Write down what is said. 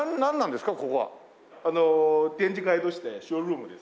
展示会としてショールームです。